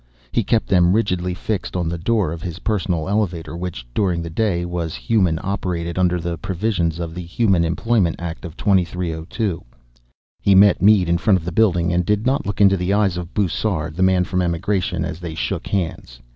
He kept them rigidly fixed on the door of his personal elevator which, during the day, was human operated under the provisions of the Human Employment Act of 2302. He met Mead in front of the building and did not look into the eyes of Bussard, the man from Emigration, as they shook hands.